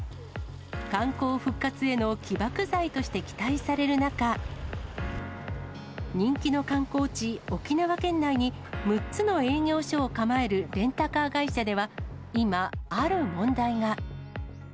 観光復活への起爆剤として期待される中、人気の観光地、沖縄県内に６つの営業所を構えるレンタカー会社では、今、ある問題が。